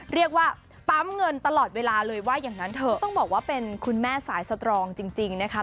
เรียกว่าปั๊มเงินตลอดเวลาเลยว่าอย่างนั้นเถอะต้องบอกว่าเป็นคุณแม่สายสตรองจริงนะคะ